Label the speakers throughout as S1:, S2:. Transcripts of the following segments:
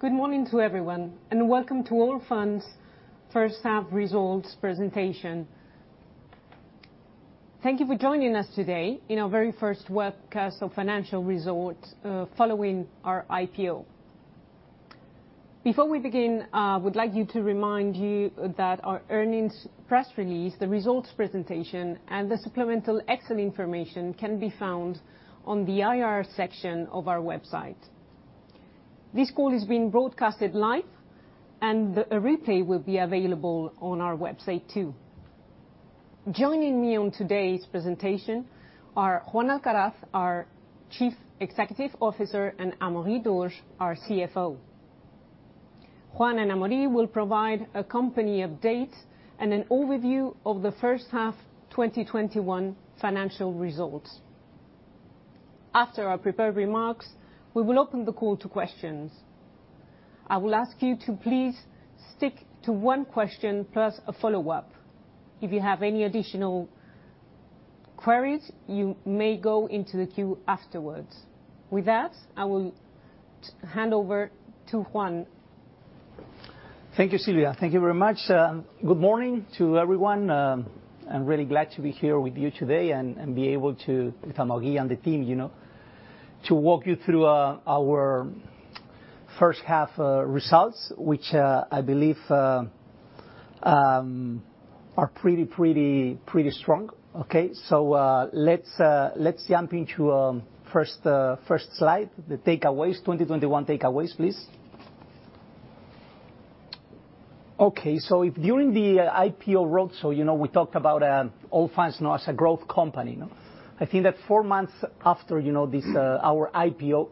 S1: Good morning to everyone, welcome to Allfunds' first half results presentation. Thank you for joining us today in our very first webcast of financial results, following our IPO. Before we begin, I would like to remind you that our earnings press release, the results presentation, and the supplemental Excel information can be found on the IR section of our website. This call is being broadcasted live, and a replay will be available on our website, too. Joining me on today's presentation are Juan Alcaraz, our Chief Executive Officer, and Amaury Dauge, our CFO. Juan and Amaury will provide a company update and an overview of the first half 2021 financial results. After our prepared remarks, we will open the call to questions. I will ask you to please stick to one question, plus a follow-up. If you have any additional queries, you may go into the queue afterwards. With that, I will hand over to Juan.
S2: Thank you, Silvia. Thank you very much. Good morning to everyone. I'm really glad to be here with you today and be able to, with Amaury and the team, to walk you through our first half results, which I believe are pretty strong. Okay, let's jump into first slide, the 2021 takeaways, please. Okay, during the IPO roadshow, we talked about Allfunds as a growth company. I think that four months after our IPO,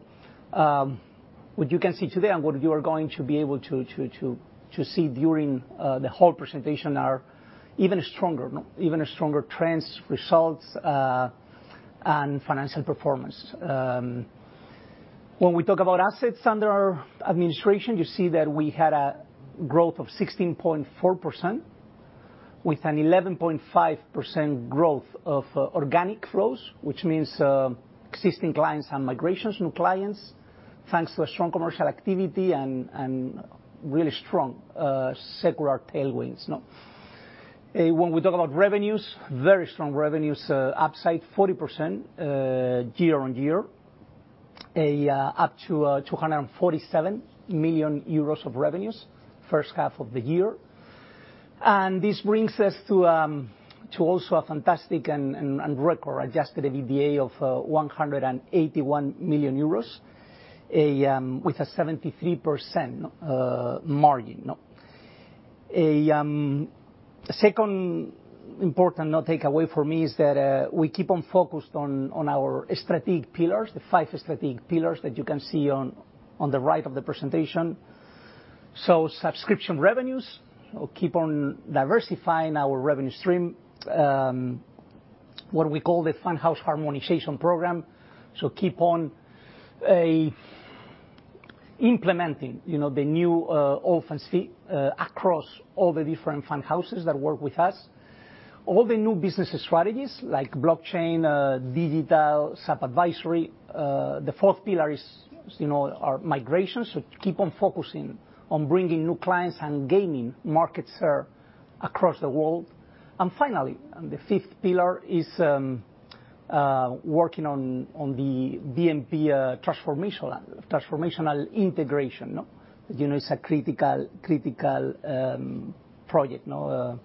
S2: what you can see today and what you are going to be able to see during the whole presentation are even stronger trends, results, and financial performance. When we talk about assets under our administration, you see that we had a growth of 16.4% with an 11.5% growth of organic flows, which means existing clients and migrations, new clients, thanks to a strong commercial activity and really strong secular tailwinds. When we talk about revenues, very strong revenues, upside 40% year-on-year, up to 247 million euros of revenues first half of the year. This brings us to also a fantastic and record-adjusted EBITDA of 181 million euros, with a 73% margin. A second important takeaway for me is that we keep on focused on our strategic pillars, the five strategic pillars that you can see on the right of the presentation. Subscription revenues, keep on diversifying our revenue stream, what we call the fund house harmonization program. Keep on implementing the new Allfunds fee across all the different fund houses that work with us. All the new business strategies like blockchain, digital sub-advisory. The fourth pillar is our migration, to keep on focusing on bringing new clients and gaining markets that are across the world. Finally, the fifth pillar is working on the BNP transformational integration. It's a critical project for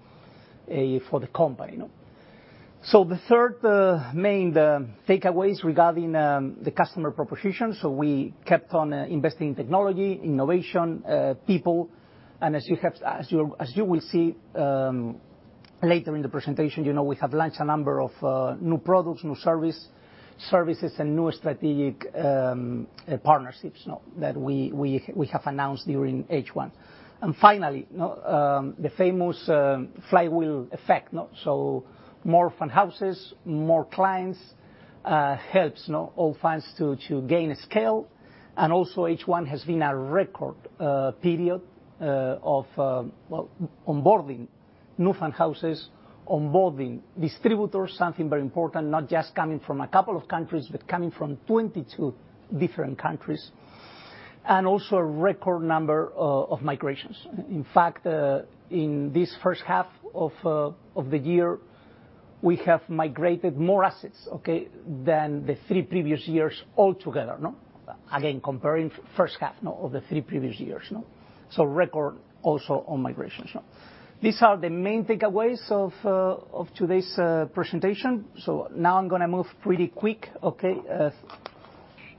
S2: the company. The third main takeaway is regarding the customer proposition. We kept on investing in technology, innovation, people, and as you will see later in the presentation, we have launched a number of new products, new services, and new strategic partnerships that we have announced during H1. Finally, the famous flywheel effect. More fund houses, more clients, helps Allfunds to gain scale. Also, H1 has been a record period of onboarding new fund houses, onboarding distributors, something very important, not just coming from a couple of countries, but coming from 22 different countries. Also a record number of migrations. In fact, in this first half of the year, we have migrated more assets, okay, than the three previous years altogether. Again, comparing first half of the three previous years. Record also on migrations. These are the main takeaways of today's presentation. Now I'm going to move pretty quick, okay.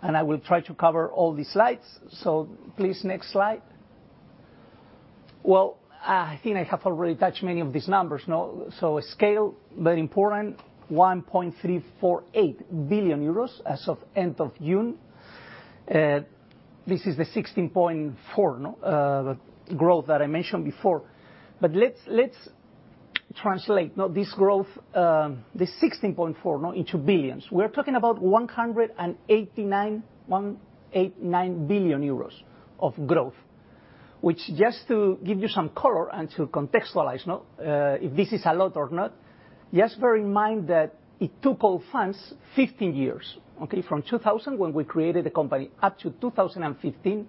S2: I will try to cover all the slides. Please, next slide. I think I have already touched many of these numbers. Scale, very important, 1.348 billion euros as of end of June. This is the 16.4% growth that I mentioned before. Let's translate this growth, the 16.4%, into billions. We're talking about 189 billion euros of growth. Which, just to give you some color and to contextualize, if this is a lot or not, just bear in mind that it took Allfunds 15 years, okay. From 2000, when we created the company, up to 2015,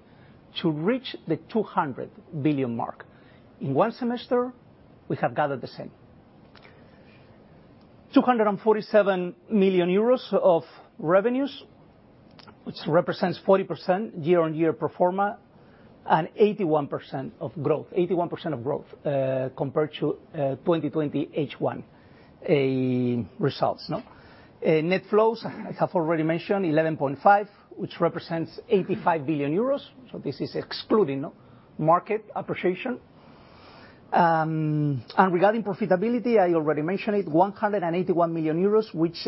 S2: to reach the 200 billion mark. In one semester, we have gathered the same. 247 million euros of revenues, which represents 40% year-on-year pro forma and 81% of growth. 81% of growth, compared to 2020 H1 results. Net flows, I have already mentioned, 11.5%, which represents 85 billion euros. This is excluding market appreciation. Regarding profitability, I already mentioned it, 181 million euros, which,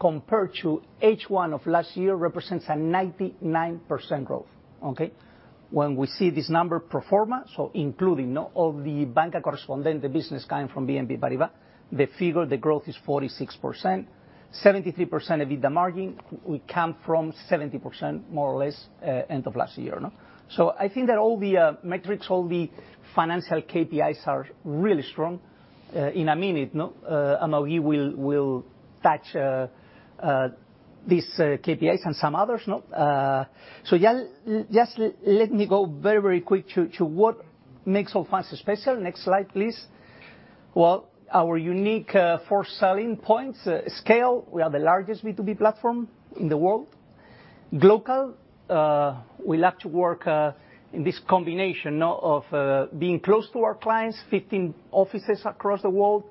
S2: compared to H1 of last year, represents a 99% growth. Okay? When we see this number pro forma, so including all the correspondent bank, the business coming from BNP Paribas, the figure, the growth is 46%. 73% EBITDA margin, we come from 70%, more or less, end of last year. I think that all the metrics, all the financial KPIs, are really strong. In a minute, Amaury will touch these KPIs and some others. Just let me go very quick to what makes Allfunds special. Next slide, please. Well, our unique four selling points. Scale, we are the largest B2B platform in the world. Glocal, we like to work in this combination of being close to our clients, 15 offices across the world.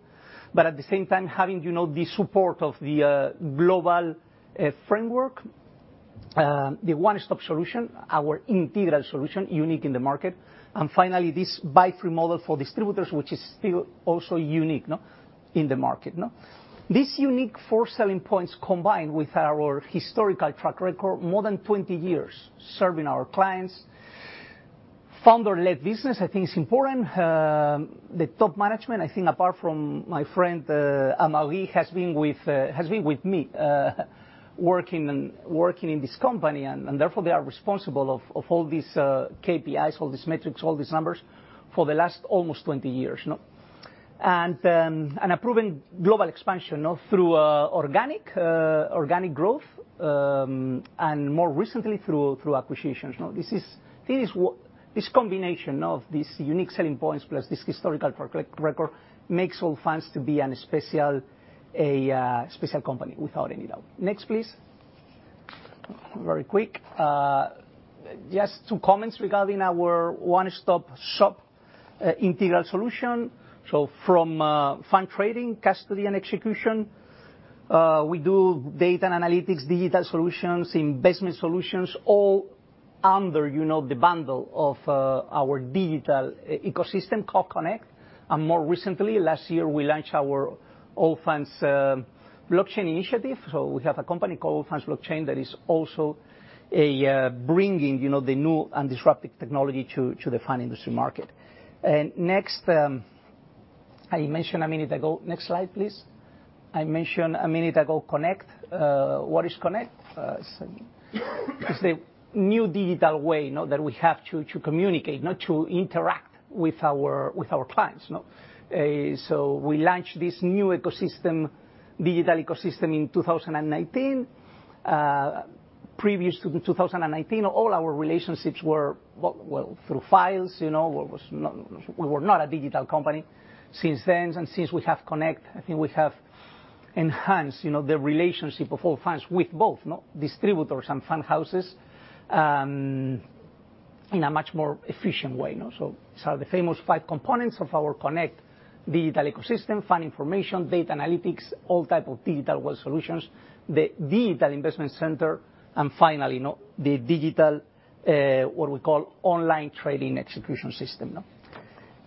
S2: At the same time, having the support of the global framework. The one-stop solution, our integral solution, unique in the market. Finally, this fee-free model for distributors, which is still also unique in the market. These unique four selling points, combined with our historical track record, more than 20 years serving our clients. Founder-led business, I think is important. The top management, I think apart from my friend, Amaury, has been with me, working in this company, and therefore they are responsible of all these KPIs, all these metrics, all these numbers for the last almost 20 years. A proven global expansion through organic growth, and more recently through acquisitions. This combination of these unique selling points plus this historical track record makes Allfunds to be a special company, without any doubt. Next, please. Very quick. Just two comments regarding our one-stop shop integral solution. From fund trading, custody, and execution, we do data and analytics, digital solutions, investment solutions, all under the bundle of our digital ecosystem called Connect. More recently, last year, we launched our Allfunds Blockchain initiative. We have a company called Allfunds Blockchain that is also bringing the new and disruptive technology to the fund industry market. Next slide, please. I mentioned a minute ago, Connect. What is Connect? It's the new digital way that we have to communicate, to interact with our clients. We launched this new digital ecosystem in 2019. Previous to 2019, all our relationships were through files. We were not a digital company. Since then, since we have Connect, I think we have enhanced the relationship of Allfunds with both distributors and fund houses in a much more efficient way. These are the famous five components of our Connect digital ecosystem, fund information, data analytics, all type of digital solutions, the digital investment center, and finally, the digital, what we call online trading execution system.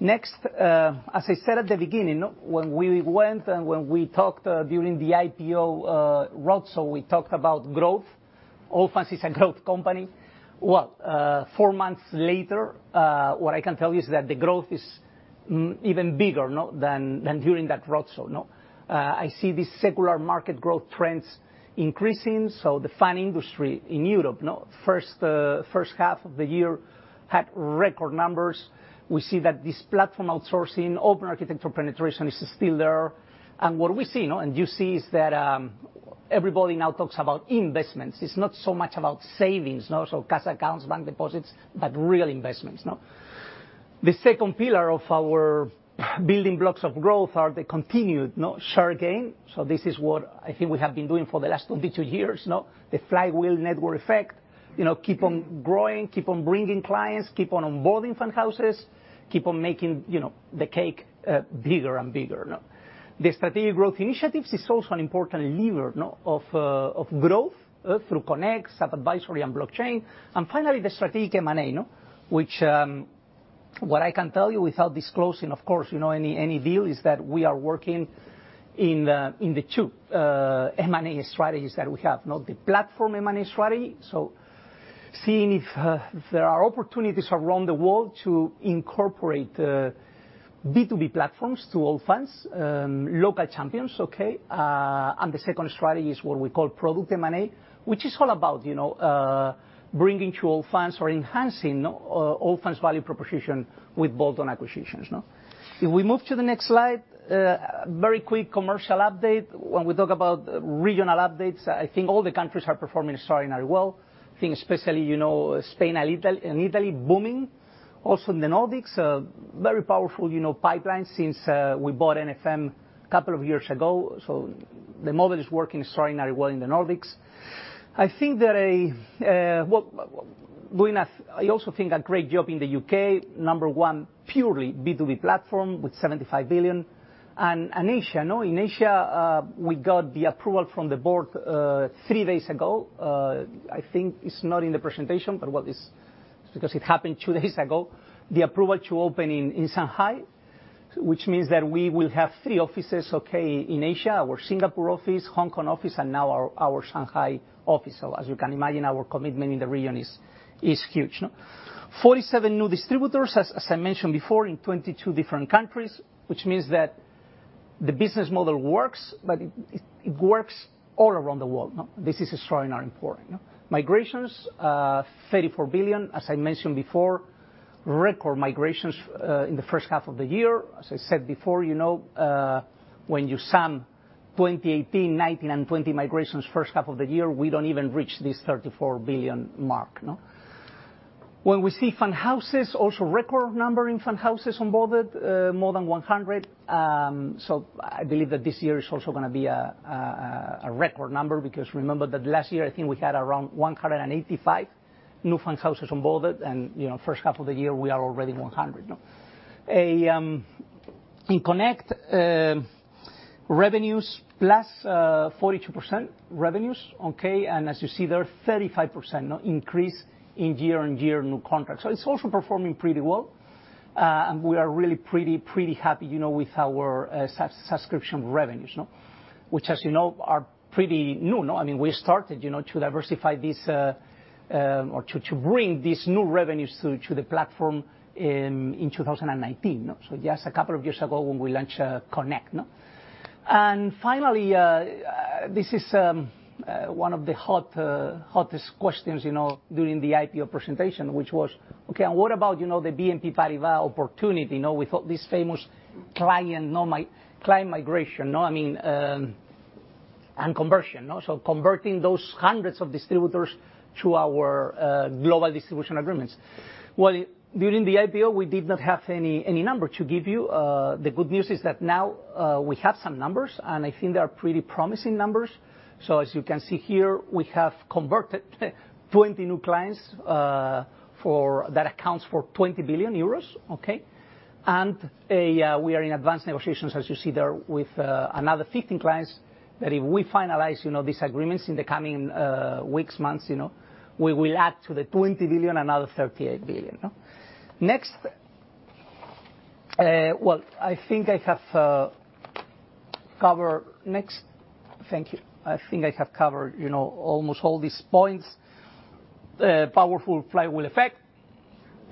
S2: Next, as I said at the beginning, when we went and when we talked during the IPO roadshow, we talked about growth. Allfunds is a growth company. Four months later, what I can tell you is that the growth is even bigger than during that roadshow. I see these secular market growth trends increasing. The fund industry in Europe, first half of the year had record numbers. We see that this platform outsourcing, open architecture penetration is still there. What we see, and you see, is that everybody now talks about investments. It's not so much about savings, so cash accounts, bank deposits, but real investments. The second pillar of our building blocks of growth are the continued share gain. This is what I think we have been doing for the last 22 years. The flywheel network effect. Keep on growing, keep on bringing clients, keep on onboarding fund houses, keep on making the cake bigger and bigger. The strategic growth initiatives is also an important lever of growth through Connect, sub-advisory, and Blockchain. Finally, the strategic M&A. Which, what I can tell you without disclosing, of course, any deal is that we are working in the two M&A strategies that we have. The platform M&A strategy. Seeing if there are opportunities around the world to incorporate B2B platforms to Allfunds, local champions, okay? The second strategy is what we call product M&A, which is all about bringing to Allfunds or enhancing Allfunds' value proposition with bolt-on acquisitions. If we move to the next slide, very quick commercial update. When we talk about regional updates, I think all the countries are performing extraordinarily well. I think, especially, Spain and Italy, booming. Also, in the Nordics, very powerful pipeline since we bought NFM a couple of years ago. The model is working extraordinarily well in the Nordics. I also think a great job in the U.K., number one purely B2B platform with 75 billion. Asia, in Asia, we got the approval from the Board, three days ago. I think it's not in the presentation, but what is, because it happened two days ago, the approval to open in Shanghai, which means that we will have three offices, okay, in Asia. Our Singapore office, Hong Kong office, and now our Shanghai office. As you can imagine, our commitment in the region is huge. 47 new distributors, as I mentioned before, in 22 different countries, which means that the business model works, but it works all around the world. This is extraordinary for it. Migrations, 34 billion, as I mentioned before, record migrations, in the first half of the year. As I said before, when you sum 2018, 2019, and 2020 migrations first half of the year, we don't even reach this 34 billion mark. When we see fund houses, also record number in fund houses onboarded, more than 100. I believe that this year is also going to be a record number because remember that last year, I think we had around 185 new fund houses onboarded and, first half of the year, we are already 100. In Connect, revenues, plus 42% revenues, okay, and as you see there, 35% increase in year-on-year new contracts. It's also performing pretty well. We are really pretty happy with our subscription revenues. Which as you know, are pretty new. We started to diversify this, or to bring these new revenues to the platform in 2019. Just a couple of years ago when we launched Connect. Finally, this is one of the hottest questions during the IPO presentation, which was, okay, and what about the BNP Paribas opportunity? We thought this famous client migration and conversion. Converting those hundreds of distributors to our global distribution agreements. Well, during the IPO, we did not have any number to give you. The good news is that now, we have some numbers, and I think they are pretty promising numbers. As you can see here, we have converted 20 new clients that accounts for 20 billion euros, okay? We are in advanced negotiations, as you see there with another 15 clients that if we finalize these agreements in the coming weeks, months, we will add to the 20 billion another 38 billion. Next. Well, I think I have covered- next. Thank you. I think I have covered almost all these points. Powerful flywheel effect.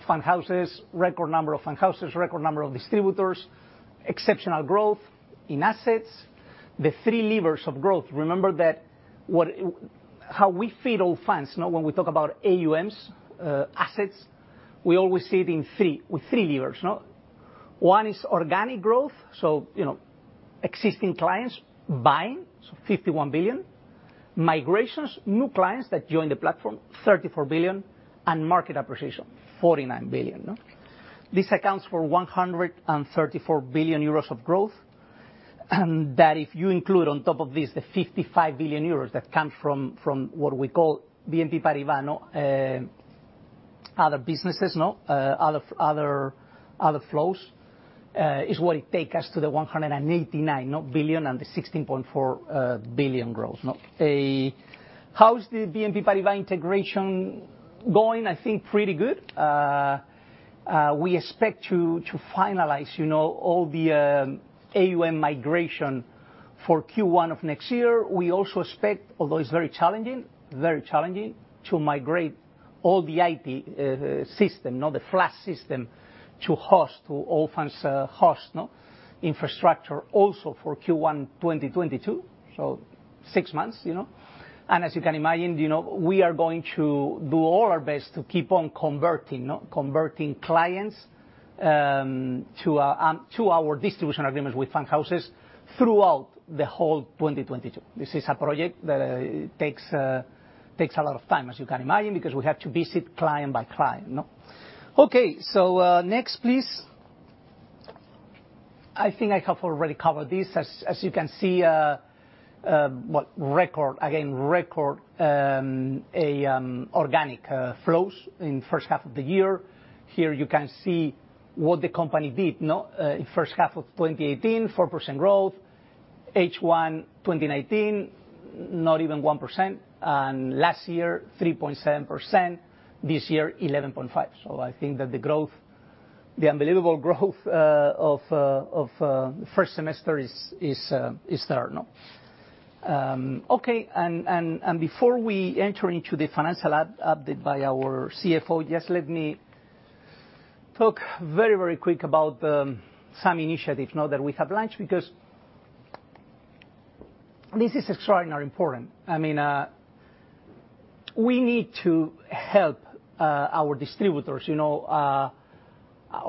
S2: Fund houses, record number of fund houses, record number of distributors, exceptional growth in assets. The three levers of growth. Remember that how we feed Allfunds, when we talk about AUMs, assets, we always see it in three, with three levers. One is organic growth, existing clients buying, 51 billion. Migrations, new clients that join the platform, 34 billion. Market appreciation, 49 billion. This accounts for 134 billion euros of growth, and that if you include on top of this the 55 billion euros that comes from what we call BNP Paribas, other businesses, other flows, is what it take us to the 189 billion and the 16.4 billion growth. How is the BNP Paribas integration going? I think pretty good. We expect to finalize all the AUM migration for Q1 of next year. We also expect, although it's very challenging to migrate all the IT system, the Flask system to host, to Allfunds host infrastructure also for Q1 2022. Six months. As you can imagine, we are going to do all our best to keep on converting clients to our distribution agreements with fund houses throughout the whole 2022. This is a project that takes a lot of time, as you can imagine, because we have to visit client by client. Next please. I think I have already covered this. As you can see, again, record organic flows in first half of the year. Here you can see what the company did. In first half of 2018, 4% growth. H1 2019, not even 1%. Last year, 3.7%. This year, 11.5%. I think that the unbelievable growth of first semester is there. Before we enter into the financial update by our CFO, just let me talk very quick about some initiatives now that we have launched, because this is extraordinarily important. We need to help our distributors, or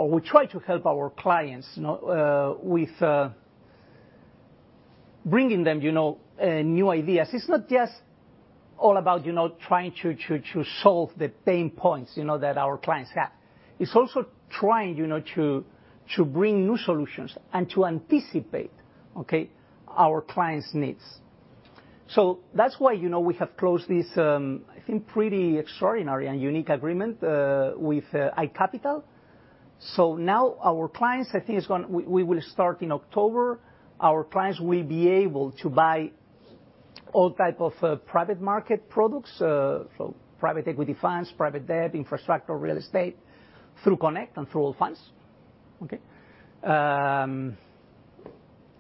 S2: we try to help our clients with bringing them new ideas. It's not just all about trying to solve the pain points that our clients have. It's also trying to bring new solutions and to anticipate our clients' needs. That's why we have closed this, I think, pretty extraordinary and unique agreement with iCapital. Now our clients, I think we will start in October, our clients will be able to buy all type of private market products, so private equity funds, private debt, infrastructure, real estate, through Connect and through Allfunds. Okay.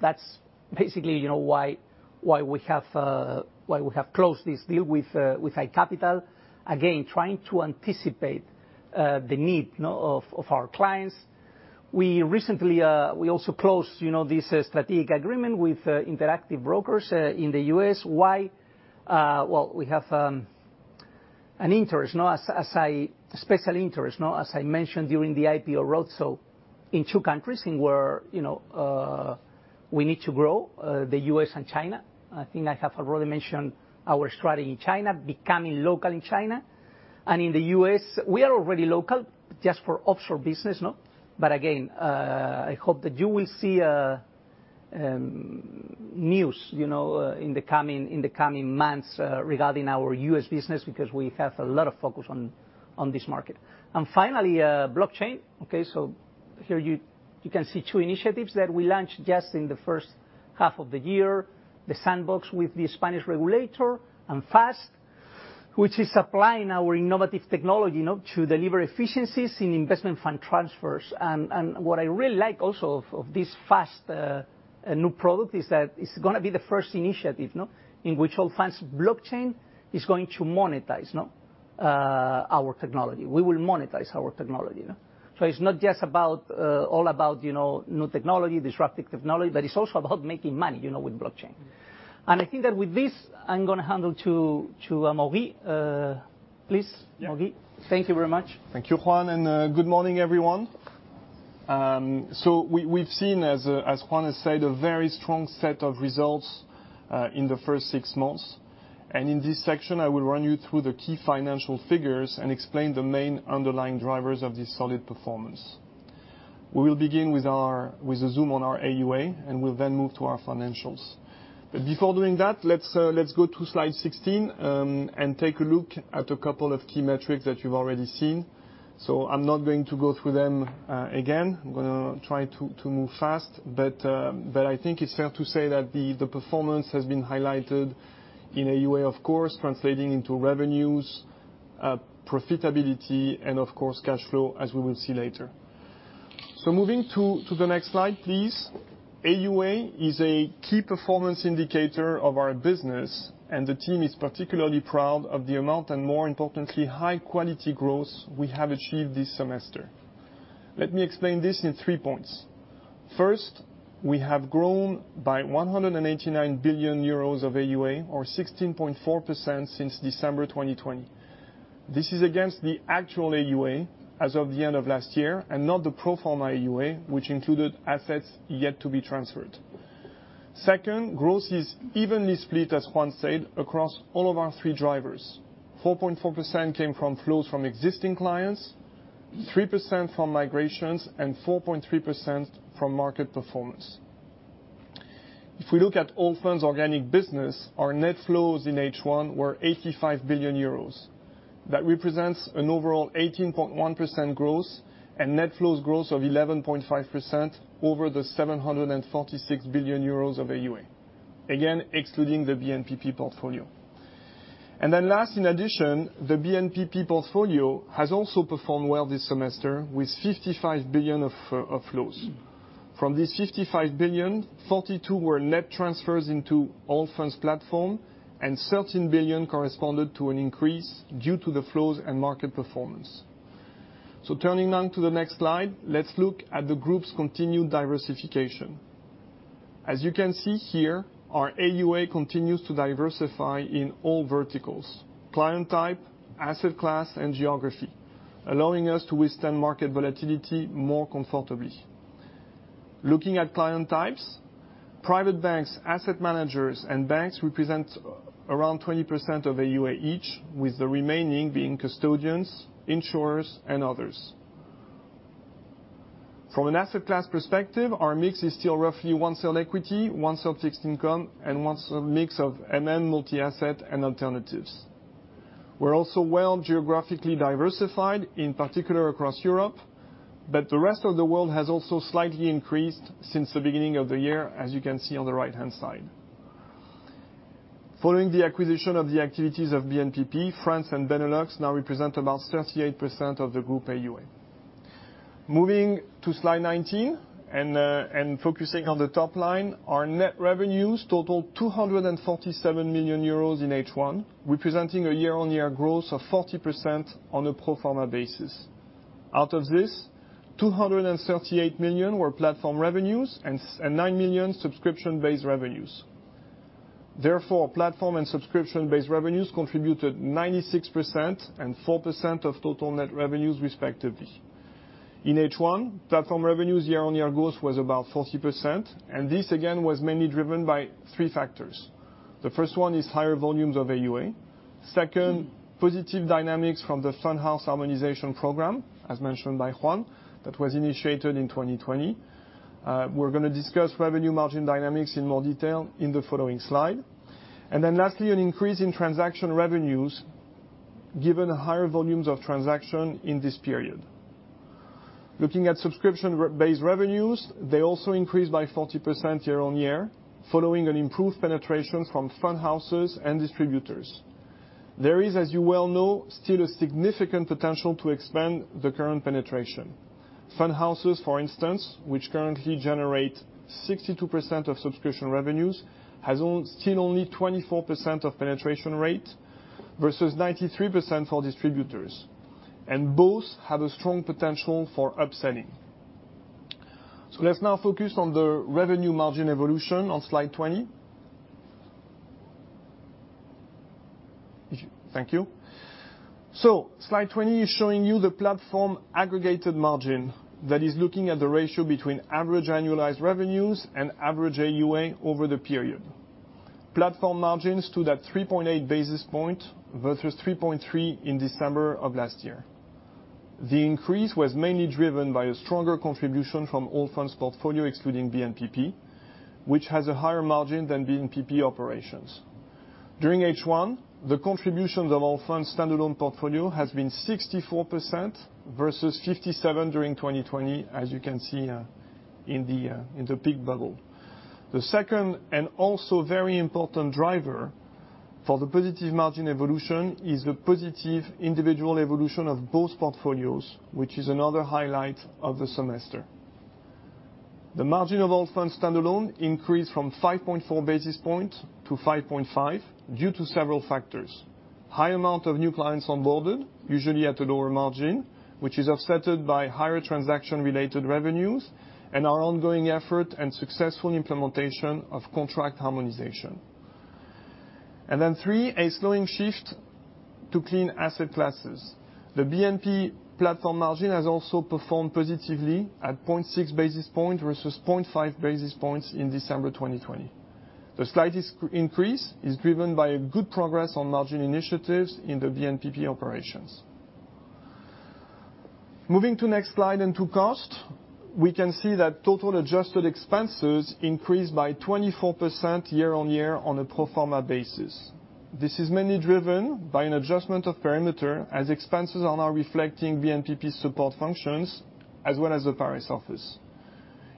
S2: That's basically why we have closed this deal with iCapital, again, trying to anticipate the need of our clients. We recently also closed this strategic agreement with Interactive Brokers in the U.S. Why. Well, we have an interest, a special interest, as I mentioned during the IPO roadshow, in two countries where we need to grow, the U.S. and China. I think I have already mentioned our strategy in China, becoming local in China. In the U.S., we are already local, just for offshore business. Again, I hope that you will see news in the coming months regarding our U.S. business, because we have a lot of focus on this market. Finally, Blockchain. Okay, here you can see two initiatives that we launched just in the first half of the year, the sandbox with the Spanish regulator, and FAST, which is supplying our innovative technology to deliver efficiencies in investment fund transfers. What I really like also of this FAST new product is that it is going to be the first initiative in which Allfunds Blockchain is going to monetize our technology. We will monetize our technology. It is not just all about new technology, disruptive technology, but it is also about making money with blockchain. I think that with this, I am going to hand over to Amaury Dauge. Please, Amaury Dauge.
S3: Yeah.
S2: Thank you very much. Thank you, Juan. Good morning, everyone. We've seen, as Juan has said, a very strong set of results in the first six months. In this section, I will run you through the key financial figures and explain the main underlying drivers of this solid performance. We will begin with a zoom on our AUA. We'll then move to our financials. Before doing that, let's go to slide 16 and take a look at a couple of key metrics that you've already seen. I'm not going to go through them again. I'm going to try to move fast. I think it's fair to say that the performance has been highlighted in AUA, of course, translating into revenues, profitability, and of course, cash flow, as we will see later. Moving to the next slide, please.
S3: AUA is a key performance indicator of our business, and the team is particularly proud of the amount and, more importantly, high-quality growth we have achieved this semester. Let me explain this in three points. First, we have grown by 189 billion euros of AUA, or 16.4% since December 2020. This is against the actual AUA as of the end of last year and not the pro forma AUA, which included assets yet to be transferred. Second, growth is evenly split, as Juan said, across all of our three drivers. 4.4% came from flows from existing clients, 3% from migrations, and 4.3% from market performance. If we look at Allfunds' organic business, our net flows in H1 were 85 billion euros. That represents an overall 18.1% growth and net flows growth of 11.5% over the 746 billion euros of AUA, again, excluding the BNPP portfolio. The BNPP portfolio has also performed well this semester with 55 billion of flows. From this 55 billion, 42 billion were net transfers into Allfunds platform, and 13 billion corresponded to an increase due to the flows and market performance. Let's look at the group's continued diversification. Our AUA continues to diversify in all verticals, client type, asset class, and geography, allowing us to withstand market volatility more comfortably. Looking at client types, private banks, asset managers, and banks represent around 20% of AUA each, with the remaining being custodians, insurers, and others. From an asset class perspective, our mix is still roughly 1/3 equity, 1/3 fixed income, and 1/3 mix of MM, multi-asset, and alternatives. We're also well geographically diversified, in particular across Europe, but the rest of the world has also slightly increased since the beginning of the year, as you can see on the right-hand side. Following the acquisition of the activities of BNPP, France and Benelux now represent about 38% of the group AUA. Moving to slide 19 and focusing on the top line, our net revenues totaled 247 million euros in H1, representing a year-on-year growth of 40% on a pro forma basis. Out of this, 238 million were platform revenues and 9 million subscription-based revenues. Therefore, platform and subscription-based revenues contributed 96% and 4% of total net revenues respectively. In H1, platform revenues year-on-year growth was about 40%, and this, again, was mainly driven by three factors. The first one is higher volumes of AUA. Positive dynamics from the fund house harmonization program, as mentioned by Juan, that was initiated in 2020. We're going to discuss revenue margin dynamics in more detail in the following slide. Lastly, an increase in transaction revenues, given higher volumes of transaction in this period. Looking at subscription-based revenues, they also increased by 40% year-on-year, following an improved penetration from fund houses and distributors. There is, as you well know, still a significant potential to expand the current penetration. Fund houses, for instance, which currently generate 62% of subscription revenues, has seen only 24% of penetration rate versus 93% for distributors. Both have a strong potential for upselling. Let's now focus on the revenue margin evolution on slide 20. Thank you. Slide 20 is showing you the platform aggregated margin that is looking at the ratio between average annualized revenues and average AUA over the period. Platform margins stood at 3.8 basis point versus 3.3 basis points in December of last year. The increase was mainly driven by a stronger contribution from Allfunds portfolio, excluding BNPP, which has a higher margin than BNPP operations. During H1, the contributions of Allfunds standalone portfolio has been 64% versus 57% during 2020, as you can see in the peak bubble. The second, and also very important driver for the positive margin evolution, is the positive individual evolution of both portfolios, which is another highlight of the semester. The margin of Allfunds standalone increased from 5.4 basis points to 5.5 basis points due to several factors. High amount of new clients onboarded, usually at a lower margin, which is offset by higher transaction-related revenues, and our ongoing effort and successful implementation of contract harmonization. Three, a slowing shift to clean share classes. The BNP platform margin has also performed positively at 0.6 basis points versus 0.5 basis points in December 2020. The slightest increase is driven by a good progress on margin initiatives in the BNPP operations. Moving to next slide into cost, we can see that total adjusted expenses increased by 24% year-on-year on a pro forma basis. This is mainly driven by an adjustment of perimeter, as expenses are now reflecting BNPP support functions as well as the Paris office.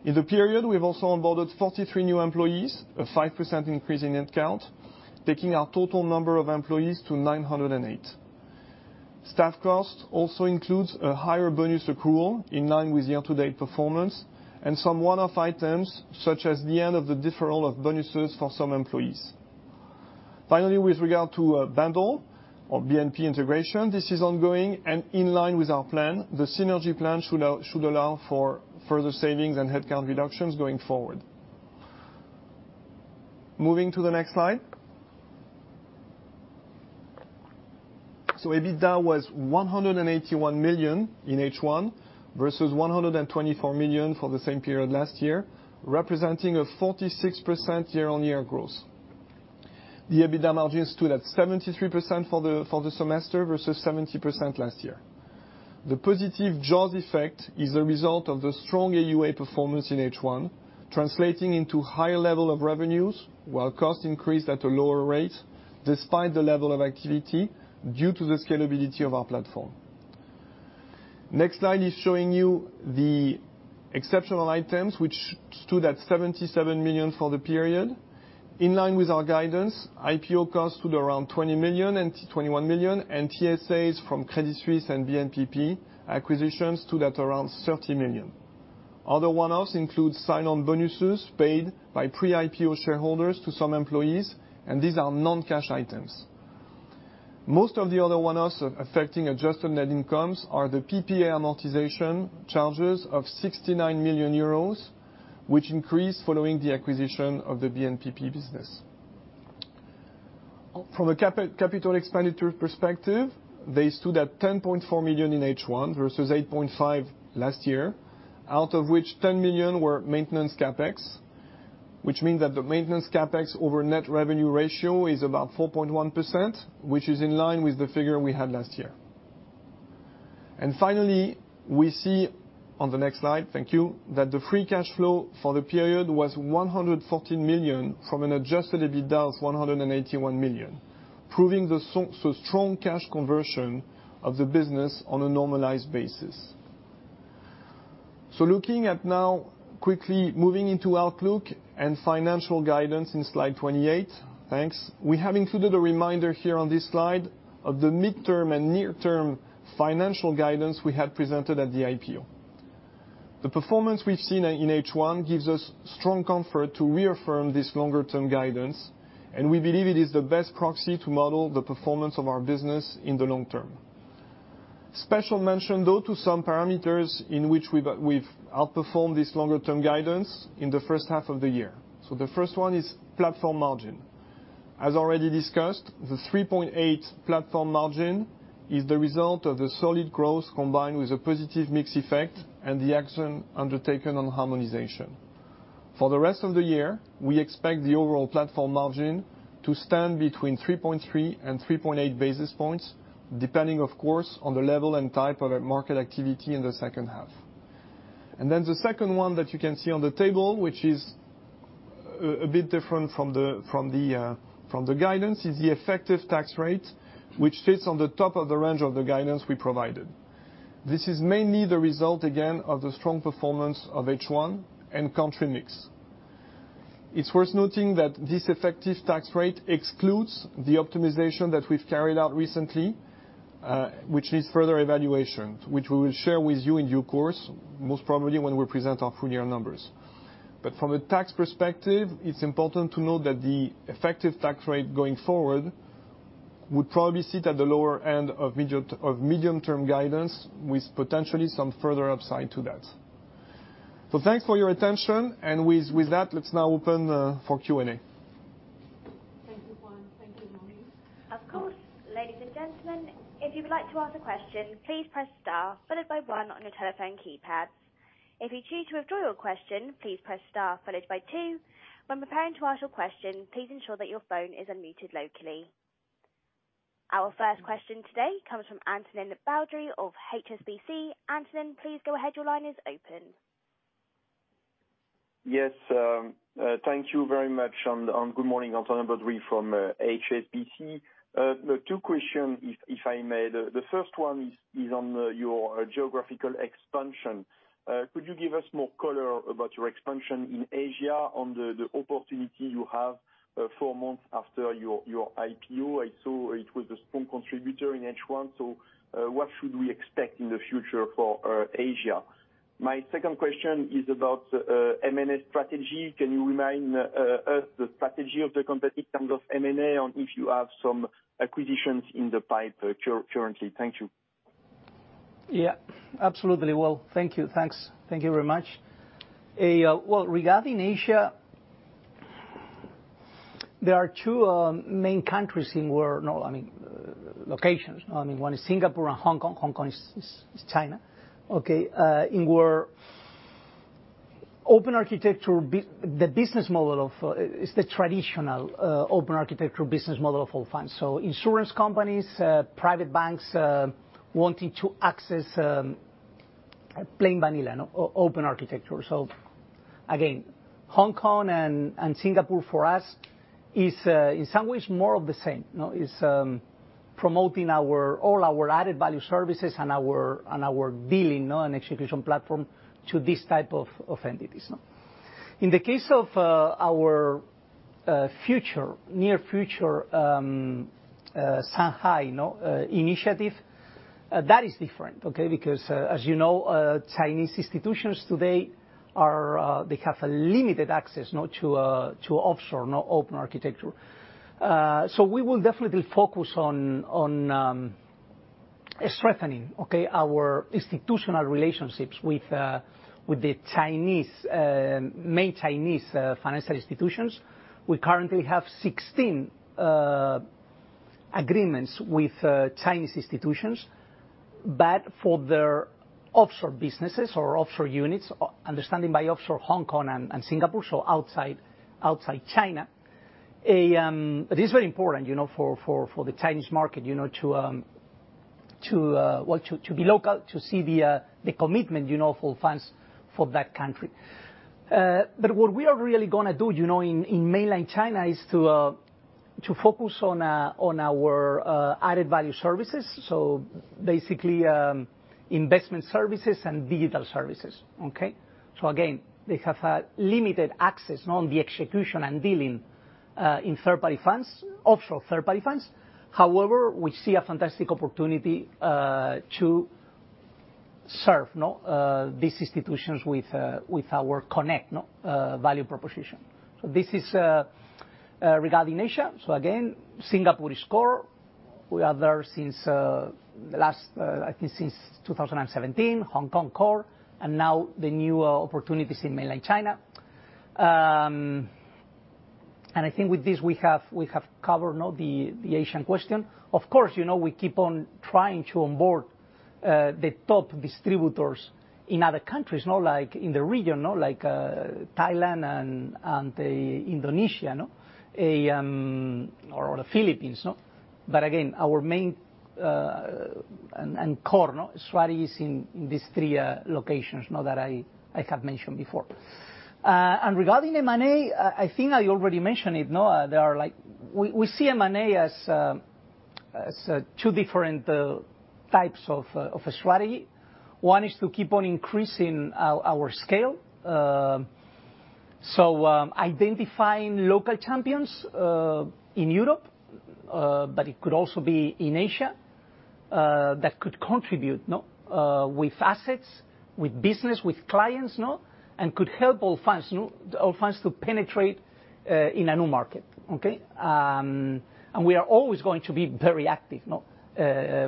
S3: In the period, we've also onboarded 43 new employees, a 5% increase in headcount, taking our total number of employees to 908. Staff cost also includes a higher bonus accrual in line with year-to-date performance and some one-off items, such as the end of the deferral of bonuses for some employees. Finally, with regard to bulk of BNP integration, this is ongoing and in line with our plan. The synergy plan should allow for further savings and headcount reductions going forward. Moving to the next slide. EBITDA was 181 million in H1 versus 124 million for the same period last year, representing a 46% year-on-year growth. The EBITDA margin stood at 73% for the semester versus 70% last year. The positive Jaws effect is a result of the strong AUA performance in H1, translating into higher level of revenues, while cost increased at a lower rate despite the level of activity due to the scalability of our platform. Next slide is showing you the exceptional items, which stood at 77 million for the period. In line with our guidance, IPO cost stood around 20 million and 21 million, and TSAs from Credit Suisse and BNPP acquisitions stood at around 30 million. Other one-offs include sign-on bonuses paid by pre-IPO shareholders to some employees, and these are non-cash items. Most of the other one-offs affecting adjusted net incomes are the PPA amortization charges of 69 million euros, which increased following the acquisition of the BNPP business. From a capital expenditure perspective, they stood at 10.4 million in H1 versus 8.5 million last year, out of which 10 million were maintenance CapEx. Which means that the maintenance CapEx over net revenue ratio is about 4.1%, which is in line with the figure we had last year. Finally, we see on the next slide, thank you, that the free cash flow for the period was 114 million from an adjusted EBITDA of 181 million, proving the strong cash conversion of the business on a normalized basis. Looking at now, quickly moving into outlook and financial guidance in slide 28. Thanks. We have included a reminder here on this slide of the midterm and near-term financial guidance we had presented at the IPO. The performance we've seen in H1 gives us strong comfort to reaffirm this longer-term guidance, and we believe it is the best proxy to model the performance of our business in the long term. Special mention, though, to some parameters in which we've outperformed this longer-term guidance in the first half of the year. The first one is platform margin. As already discussed, the 3.8basis points platform margin is the result of the solid growth, combined with a positive mix effect and the action undertaken on harmonization. For the rest of the year, we expect the overall platform margin to stand between 3.3 and 3.8 basis points, depending, of course, on the level and type of market activity in the second half. The second one that you can see on the table, which is a bit different from the guidance, is the effective tax rate, which sits on the top of the range of the guidance we provided. This is mainly the result, again, of the strong performance of H1 and country mix. It's worth noting that this effective tax rate excludes the optimization that we've carried out recently, which needs further evaluation, which we will share with you in due course, most probably when we present our full-year numbers. From a tax perspective, it's important to note that the effective tax rate going forward would probably sit at the lower end of medium-term guidance, with potentially some further upside to that. Thanks for your attention. With that, let's now open for Q&A.
S1: Thank you, Juan. Thank you, Amaury.
S4: Of course. Ladies and gentlemen, if you would like to ask a question, please press star followed by one on your telephone keypad. If you choose to withdraw your question, please press star followed by two. When preparing to ask your question, please ensure that your phone is unmuted locally. Our first question today comes from Antonin Baudry of HSBC. Antonin, please go ahead. Your line is open.
S5: Yes. Thank you very much, and good morning. Antonin Baudry from HSBC. Two questions, if I may. The first one is on your geographical expansion. Could you give us more color about your expansion in Asia on the opportunity you have four months after your IPO? I saw it was a strong contributor in H1. What should we expect in the future for Asia? My second question is about M&A strategy. Can you remind us the strategy of the company in terms of M&A, and if you have some acquisitions in the pipe currently? Thank you.
S2: Absolutely. Thank you. Thanks. Thank you very much. Regarding Asia, there are two main countries in where locations. One is Singapore and Hong Kong. Hong Kong is China. Okay? In where open architecture, the business model is the traditional open architecture business model of Allfunds. Insurance companies, private banks, wanting to access plain vanilla, open architecture. Again, Hong Kong and Singapore for us is, in some ways, more of the same. Is promoting all our added-value services and our billing and execution platform to these type of entities. In the case of our near future Shanghai initiative, that is different, okay? As you know, Chinese institutions today, they have a limited access to offshore, open architecture. We will definitely focus on strengthening our institutional relationships with the main Chinese financial institutions. We currently have 16 agreements with Chinese institutions, but for their offshore businesses or offshore units. Understanding by offshore, Hong Kong and Singapore, so outside China. It is very important for the Chinese market to be local, to see the commitment for funds for that country. What we are really going to do in mainland China is to focus on our added-value services, so basically investment services and digital services. Okay? Again, they have a limited access on the execution and dealing in third-party funds, offshore third-party funds. However, we see a fantastic opportunity to serve these institutions with our Connect value proposition. This is regarding Asia. Again, Singapore is core. We are there since, I think, 2017. Hong Kong, core. Now the new opportunities in mainland China. I think with this, we have covered the Asian question. Of course, we keep on trying to onboard the top distributors in other countries, like in the region, like Thailand and Indonesia or the Philippines. Again, our main and core strategy is in these three locations that I have mentioned before. Regarding M&A, I think I already mentioned it. We see M&A as As two different types of strategy. One is to keep on increasing our scale. Identifying local champions, in Europe, but it could also be in Asia, that could contribute with assets, with business, with clients, and could help Allfunds to penetrate in a new market. Okay. We are always going to be very active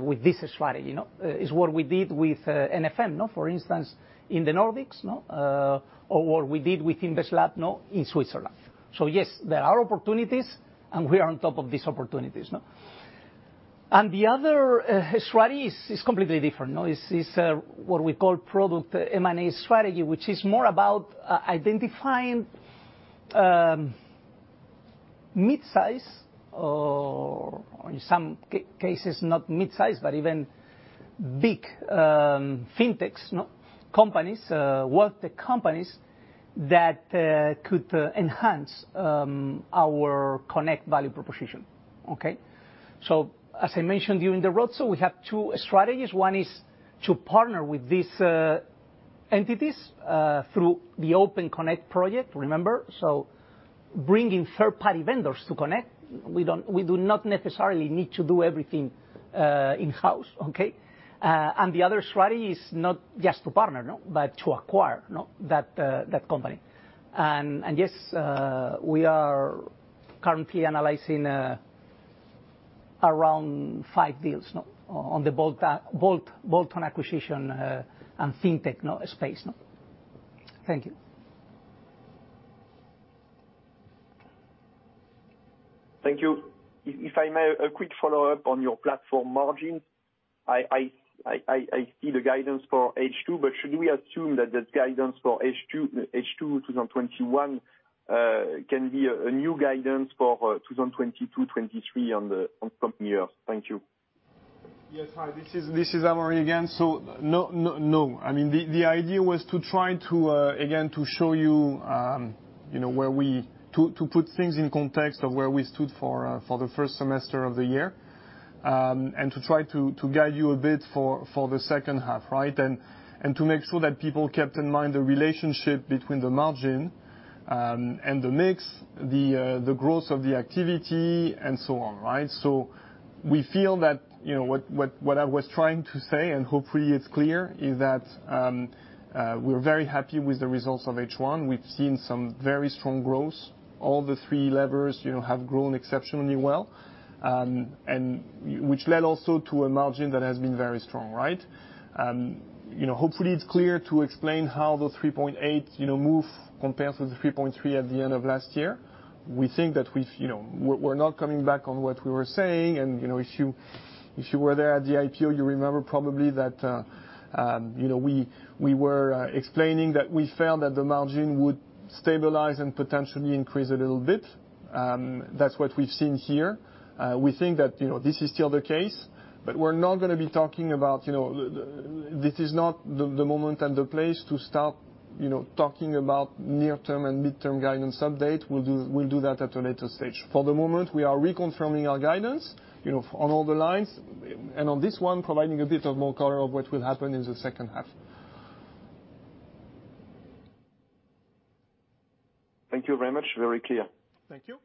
S2: with this strategy. Is what we did with NFM, for instance, in the Nordics, or what we did with InvestLab in Switzerland. Yes, there are opportunities, and we are on top of these opportunities. The other strategy is completely different. Is what we call product M&A strategy, which is more about identifying mid-size or in some cases not mid-size, but even big fintechs companies, wealth tech companies, that could enhance our Connect value proposition. Okay. As I mentioned during the roadshow, we have two strategies. One is to partner with these entities, through the Open Connect project, remember? Bringing third-party vendors to connect. We do not necessarily need to do everything in-house. Okay? The other strategy is not just to partner, but to acquire that company. Yes, we are currently analyzing around five deals on the bolt-on acquisition, and fintech space. Thank you.
S5: Thank you. If I may, a quick follow-up on your platform margin. I see the guidance for H2, but should we assume that this guidance for H2 2021 can be a new guidance for 2022, 2023 on some years? Thank you.
S3: Yes. Hi, this is Amaury again. No. The idea was to try to, again, to show you where to put things in context of where we stood for the first semester of the year, and to try to guide you a bit for the second half, right? To make sure that people kept in mind the relationship between the margin, and the mix, the growth of the activity, and so on, right? We feel that what I was trying to say, and hopefully it's clear, is that, we're very happy with the results of H1. We've seen some very strong growth. All the three levers have grown exceptionally well, and which led also to a margin that has been very strong, right? Hopefully, it's clear to explain how the 3.8 basis points move compares with the 3.3 basis points at the end of last year. We think that we're not coming back on what we were saying and, if you were there at the IPO, you remember probably that we were explaining that we found that the margin would stabilize and potentially increase a little bit. That's what we've seen here. We think that this is still the case, but we're not going to be talking about. This is not the moment and the place to start talking about near-term and mid-term guidance update. We'll do that at a later stage. For the moment, we are reconfirming our guidance on all the lines. On this one, providing a bit of more color of what will happen in the second half.
S5: Thank you very much. Very clear.
S3: Thank you.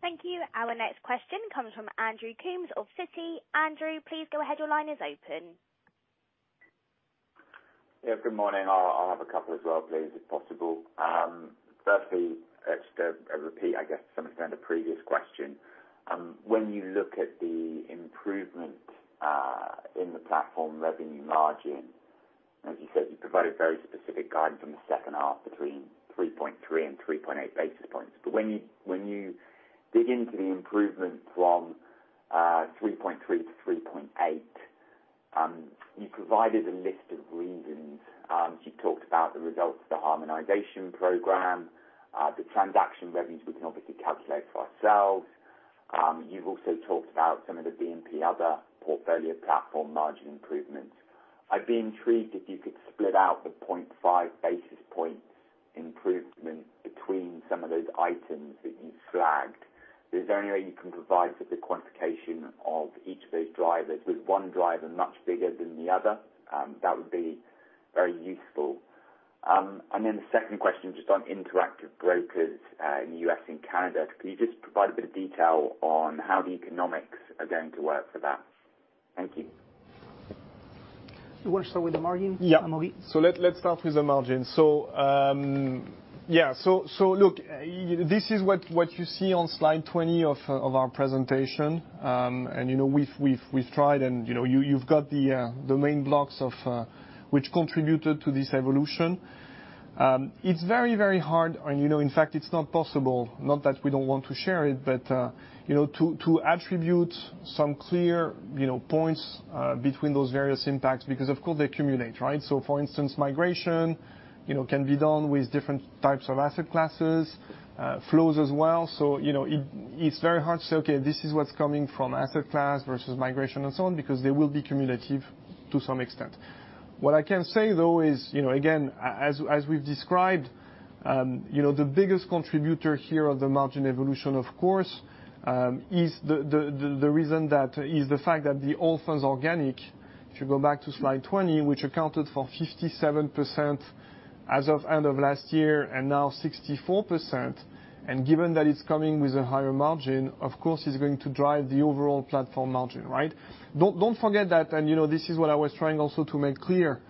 S4: Thank you. Our next question comes from Andrew Coombs of Citi. Andrew, please go ahead. Your line is open.
S6: Good morning. I'll have a couple as well, please, if possible. Firstly, just a repeat, I guess, to some extent, the previous question. When you look at the improvement, in the platform revenue margin, as you said, you provided very specific guidance on the second half between 3.3-3.8 basis points. When you dig into the improvement from 3.3-3.8 basis points, you provided a list of reasons. You talked about the results of the harmonization program, the transaction revenues, we can obviously calculate for ourselves. You've also talked about some of the BNP other portfolio platform margin improvements. I'd be intrigued if you could split out the 0.5 basis points improvement between some of those items that you flagged. Is there any way you can provide for the quantification of each of those drivers? Was one driver much bigger than the other? That would be very useful. Then the second question, just on Interactive Brokers, in the U.S. and Canada, can you just provide a bit of detail on how the economics are going to work for that? Thank you.
S2: You want to start with the margin, Amaury?
S3: Let start with the margin. Look, this is what you see on slide 20 of our presentation. You've got the main blocks of which contributed to this evolution. It's very, very hard and in fact, it's not possible, not that we don't want to share it, but to attribute some clear points between those various impacts because, of course, they accumulate, right. For instance, migration can be done with different types of asset classes, flows as well. It's very hard to say, okay, this is what's coming from asset class versus migration and so on, because they will be cumulative to some extent. What I can say, though, is, again, as we've described, the biggest contributor here of the margin evolution, of course, is the fact that the Allfunds organic, if you go back to slide 20, which accounted for 57% as of end of last year and now 64%, and given that it's coming with a higher margin, of course is going to drive the overall platform margin, right. Don't forget that, and this is what I was trying also to make clear,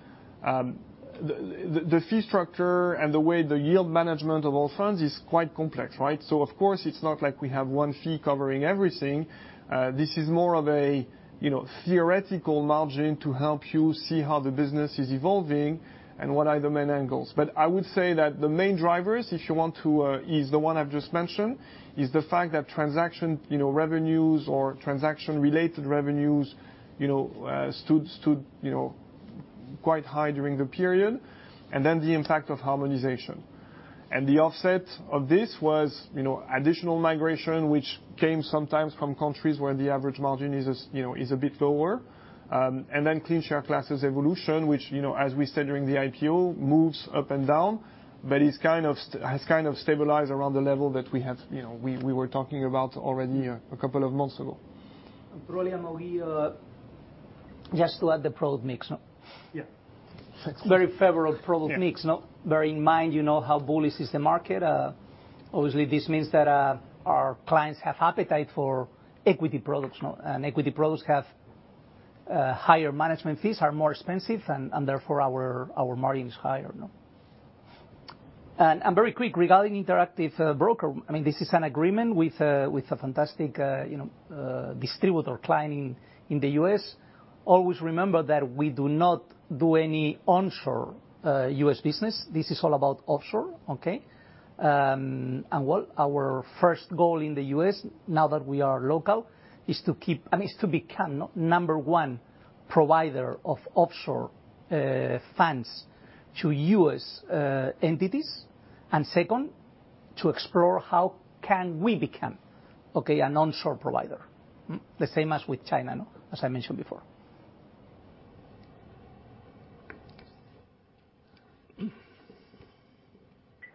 S3: the fee structure and the way the yield management of Allfunds is quite complex, right. Of course, it's not like we have one fee covering everything. This is more of a theoretical margin to help you see how the business is evolving and what are the main angles. I would say that the main drivers, if you want to, is the one I've just mentioned, the fact that transaction revenues or transaction-related revenues stood quite high during the period, and the impact of harmonization. The offset of this was additional migration, which came sometimes from countries where the average margin is a bit lower. Clean share classes evolution, which as we said during the IPO, moves up and down, but has kind of stabilized around the level that we were talking about already a couple of months ago.
S2: Probably, Amaury, just to add the product mix.
S3: Yeah.
S2: Very favorable product mix. Bearing in mind you know how bullish is the market, obviously this means that our clients have appetite for equity products, and equity products have higher management fees, are more expensive, and therefore, our margin is higher. Very quick, regarding Interactive Brokers, this is an agreement with a fantastic distributor client in the U.S. Always remember that we do not do any onshore U.S. business. This is all about offshore. Okay? Our first goal in the U.S., now that we are local, is to become number one provider of offshore funds to U.S. entities, and second, to explore how can we become an onshore provider. The same as with China, as I mentioned before.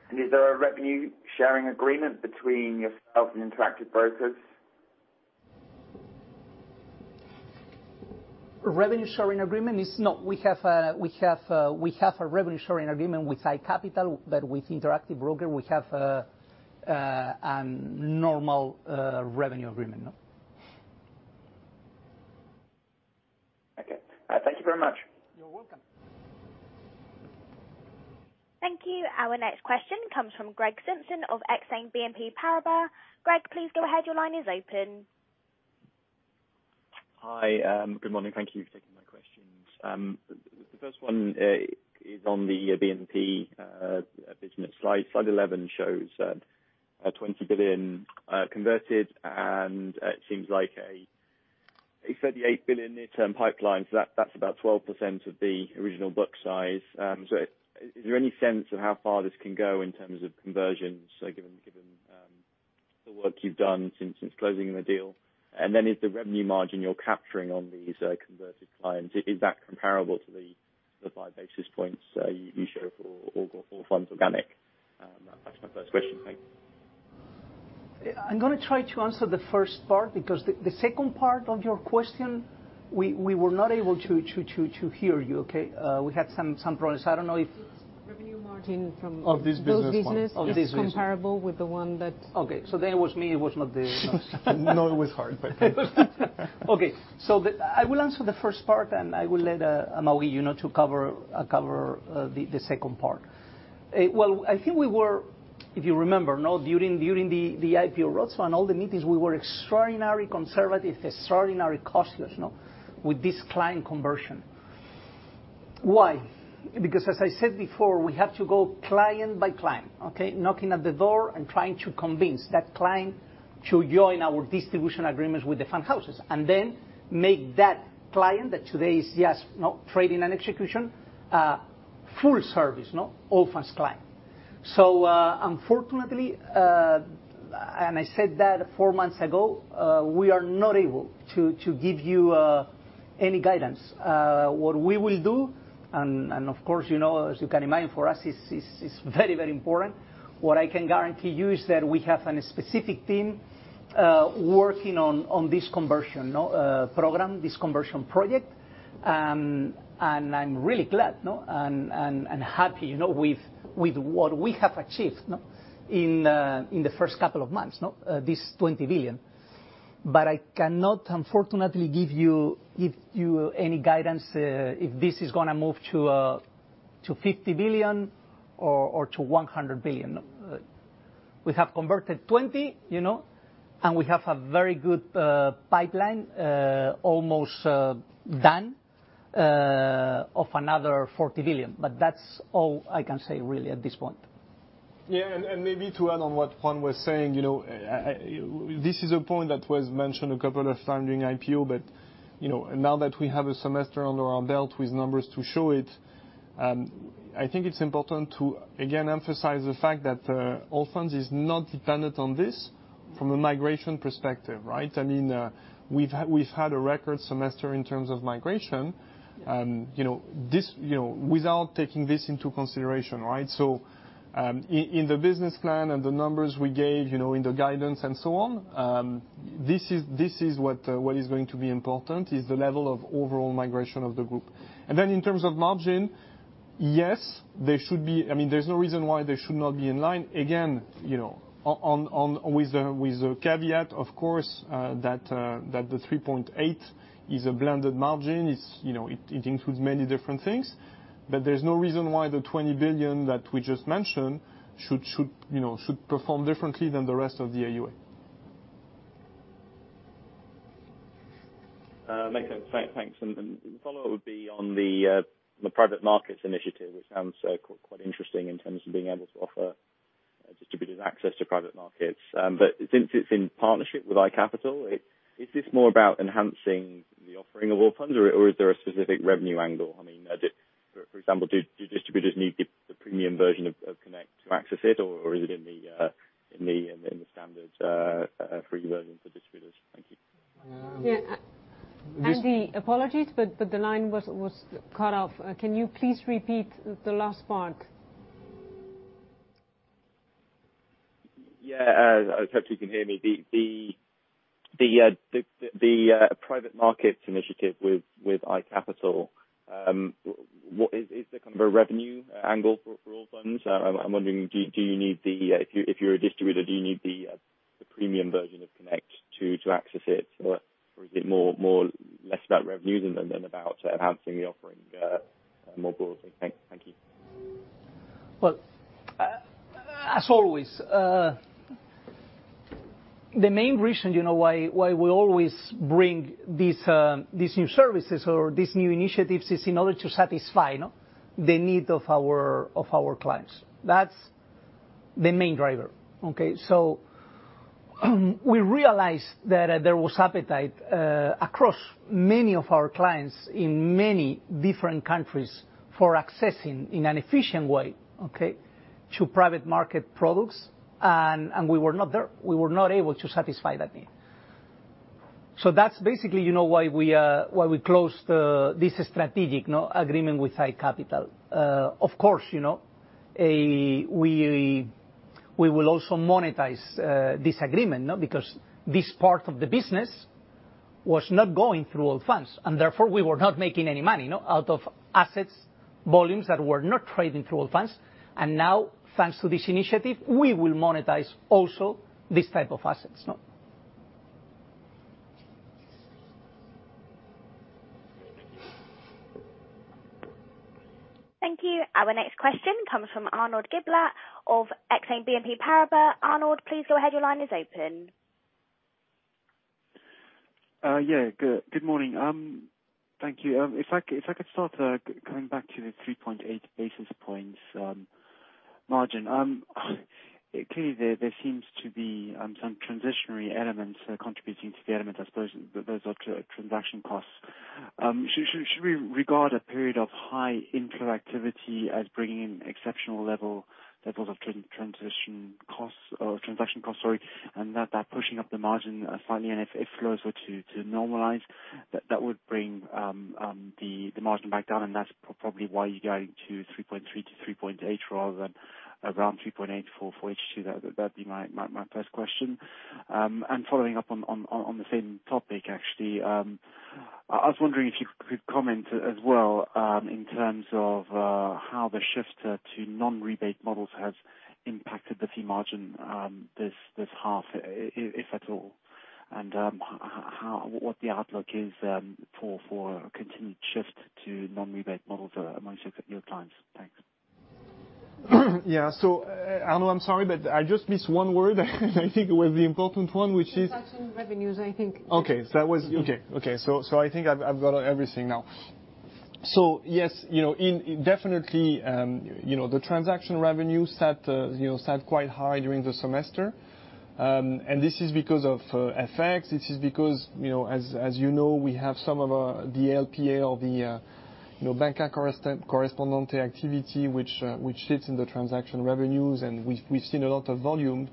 S6: Is there a revenue-sharing agreement between yourself and Interactive Brokers?
S2: Revenue-sharing agreement is no. We have a revenue-sharing agreement with iCapital, but with Interactive Brokers, we have a normal revenue agreement.
S6: Okay. Thank you very much.
S2: You're welcome.
S4: Thank you. Our next question comes from Greg Simpson of Exane BNP Paribas. Greg, please go ahead. Your line is open.
S7: Hi. Good morning. Thank you for taking my questions. The first one is on the BNP business slide. Slide 11 shows a 20 billion converted. It seems like a 38 billion near-term pipeline. That's about 12% of the original book size. Is there any sense of how far this can go in terms of conversions, given the work you've done since closing the deal? If the revenue margin you're capturing on these converted clients, is that comparable to the 3.5 basis points you show for Allfunds organic? That's my first question. Thanks.
S2: I'm going to try to answer the first part, because the second part of your question, we were not able to hear you, okay? We had some problems.
S1: It's revenue margin-
S3: Of this business.
S1: ...both-
S3: Of this business.
S1: ...is comparable with the one that
S2: Okay. It was me, it was not.
S3: No, it was hard, but
S2: Okay. I will answer the first part, and I will let Amaury to cover the second part. Well, I think we were, if you remember, during the IPO roadshow and all the meetings, we were extraordinarily conservative, extraordinarily cautious with this client conversion. Why? As I said before, we have to go client by client, okay? Knocking at the door and trying to convince that client to join our distribution agreements with the fund houses, and then make that client that today is just trading and execution, full service, Allfunds client. Unfortunately, and I said that four months ago, we are not able to give you any guidance. What we will do, and of course as you can imagine, for us, it's very, very important, what I can guarantee you is that we have a specific team working on this conversion program, this conversion project. I'm really glad and happy with what we have achieved in the first couple of months, this 20 billion. I cannot, unfortunately, give you any guidance if this is going to move to 50 billion or to 100 billion. We have converted 20 billion, and we have a very good pipeline, almost done, of another 40 billion. That's all I can say really at this point.
S3: Maybe to add on what Juan was saying, this is a point that was mentioned a couple of times during IPO. Now that we have a semester under our belt with numbers to show it, I think it's important to again emphasize the fact that Allfunds is not dependent on this from a migration perspective, right? We've had a record semester in terms of migration, without taking this into consideration, right? In the business plan and the numbers we gave, in the guidance and so on, this is what is going to be important, is the level of overall migration of the group. In terms of margin, yes, there's no reason why they should not be in line. Again, with the caveat, of course, that the 3.8 basis points is a blended margin. It includes many different things. There's no reason why the 20 billion that we just mentioned should perform differently than the rest of the AUA.
S7: Thanks. The follow-up would be on the private markets initiative, which sounds quite interesting in terms of being able to offer distributed access to private markets. Since it's in partnership with iCapital, is this more about enhancing the offering of Allfunds, or is there a specific revenue angle? For example, do distributors need the premium version of Connect to access it, or is it in the standard free version for distributors? Thank you.
S1: Greg, apologies. The line was cut off. Can you please repeat the last part?
S7: Yeah. I hope you can hear me. The private markets initiative with iCapital, is there a kind of a revenue angle for Allfunds? I'm wondering, if you're a distributor, do you need the premium version of Connect to access it, or is it less about revenue than about enhancing the offering more broadly? Thank you.
S2: Well, as always, the main reason why we always bring these new services or these new initiatives is in order to satisfy the needs of our clients. That's the main driver. Okay. We realized that there was appetite across many of our clients in many different countries for accessing, in an efficient way, to private market products. We were not able to satisfy that need. That's basically why we closed this strategic agreement with iCapital. Of course, we will also monetize this agreement, because this part of the business was not going through Allfunds, and therefore, we were not making any money out of assets, volumes that were not trading through Allfunds. Now, thanks to this initiative, we will monetize also these type of assets.
S7: Okay, thank you.
S4: Thank you. Our next question comes from Arnaud Giblat of Exane BNP Paribas. Arnaud, please go ahead. Your line is open.
S8: Yeah, good morning. Thank you. If I could start, going back to the 3.8 basis points margin. Clearly, there seems to be some transitionary elements contributing to the element, I suppose, those are transaction costs. Should we regard a period of high inflow activity as bringing in exceptional levels of transition costs or transaction costs, sorry, and that pushing up the margin finally, and if flows were to normalize, that that would bring the margin back down, and that's probably why you're guiding to 3.3-3.8 basis points rather than around 3.8 basis points for H2? That'd be my first question. Following up on the same topic, actually, I was wondering if you could comment as well, in terms of how the shift to non-rebate models has impacted the fee margin this half, if at all, and what the outlook is for a continued shift to non-rebate models amongst your clients? Thanks.
S3: Yeah. Arnaud, I'm sorry, but I just missed one word and I think it was the important one, which is-
S1: Transaction revenues, I think.
S3: Okay. I think I've got everything now. Yes, definitely, the transaction revenues sat quite high during the semester. This is because of FX, it is because, as you know, we have some of the LPA or the correspondent bank activity, which sits in the transaction revenues, and we've seen a lot of volume.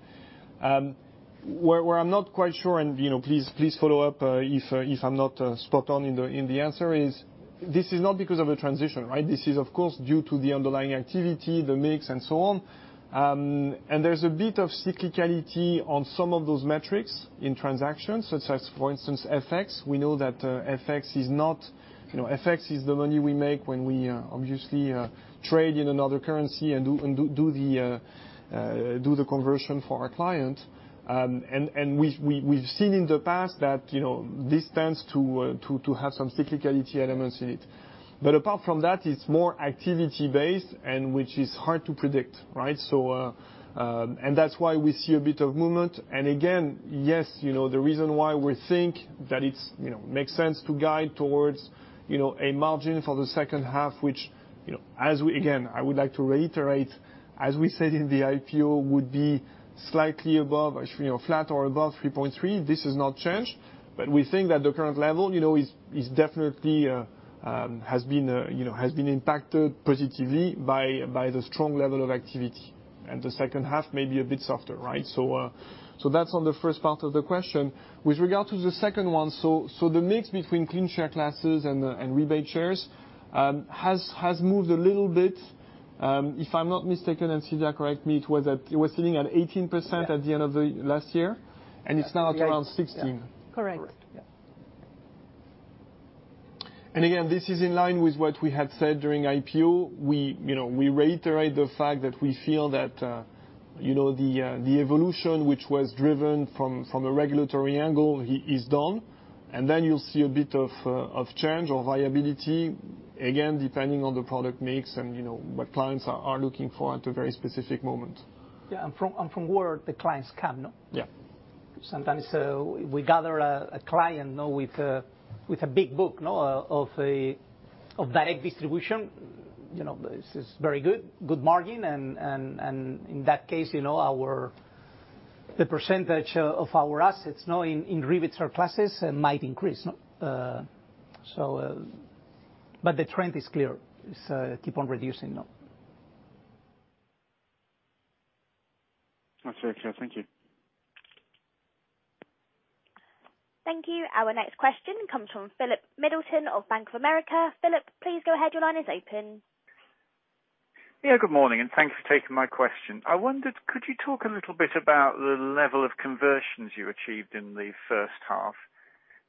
S3: Where I'm not quite sure, and please follow up if I'm not spot on in the answer, is this is not because of a transition, right? This is, of course, due to the underlying activity, the mix, and so on. There's a bit of cyclicality on some of those metrics in transactions, such as, for instance, FX. We know that FX is the money we make when we obviously trade in another currency and do the conversion for our client. We've seen in the past that this tends to have some cyclicality elements in it. Apart from that, it's more activity-based, and which is hard to predict, right? That's why we see a bit of movement. Again, yes, the reason why we think that it makes sense to guide towards a margin for the second half, which, again, I would like to reiterate, as we said in the IPO, would be flat or above 3.3 basis points. This has not changed. We think that the current level definitely has been impacted positively by the strong level of activity. The second half may be a bit softer, right? That's on the first part of the question. With regard to the second one, the mix between clean share classes and rebate shares has moved a little bit. If I'm not mistaken, and Silvia, correct me, it was sitting at 18% at the end of last year, and it's now at around 16%.
S1: Correct.
S3: Again, this is in line with what we had said during IPO. We reiterate the fact that we feel that the evolution, which was driven from a regulatory angle, is done, and then you'll see a bit of change or variability, again, depending on the product mix and what clients are looking for at a very specific moment.
S2: Yeah, from where the clients come.
S3: Yeah.
S2: Sometimes we gather a client with a big book of direct distribution. This is very good margin, and in that case, the percent of our assets in registered classes might increase. The trend is clear. It's keep on reducing.
S8: That's very clear. Thank you.
S4: Thank you. Our next question comes from Philip Middleton of Bank of America. Philip, please go ahead. Your line is open.
S9: Good morning, and thanks for taking my question. I wondered, could you talk a little bit about the level of conversions you achieved in the first half?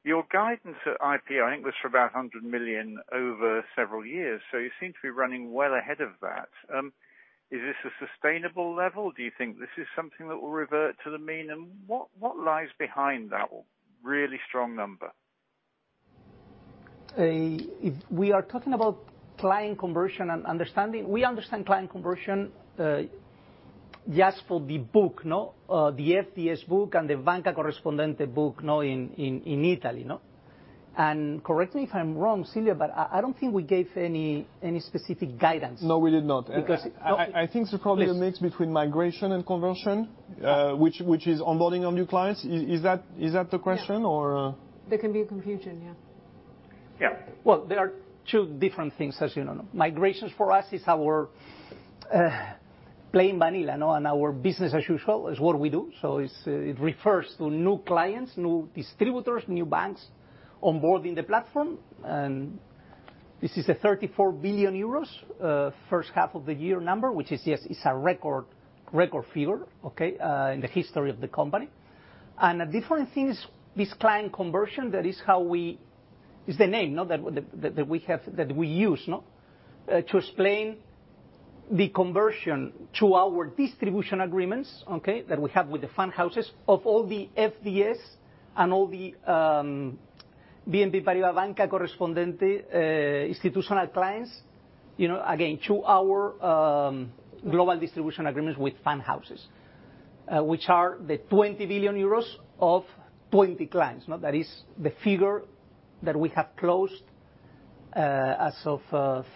S9: Your guidance at IPO, I think, was for about 100 million over several years, so you seem to be running well ahead of that. Is this a sustainable level? Do you think this is something that will revert to the mean? What lies behind that really strong number?
S2: We are talking about client conversion and understanding. We understand client conversion just for the book. The FDS book and the correspondent bank book in Italy. Correct me if I'm wrong, Silvia, but I don't think we gave any specific guidance.
S3: No, we did not.
S2: Because-
S3: I think it's probably-
S2: Please.
S3: a mix between migration and conversion, which is onboarding of new clients. Is that the question, or
S1: There can be a confusion, yeah.
S9: Yeah.
S2: Well, there are two different things, as you know. Migrations for us is our plain vanilla and our business as usual. It's what we do. It refers to new clients, new distributors, new banks onboarding the platform, and this is a 34 billion euros first half of the year number, which is, yes, it's a record figure, okay, in the history of the company. A different thing is this client conversion, that is the name that we use to explain the conversion to our distribution agreements, okay, that we have with the fund houses of all the FDS and all the BNP Paribas correspondent bank institutional clients, again, to our global distribution agreements with fund houses, which are the 20 billion euros of 20 clients. That is the figure that we have closed as of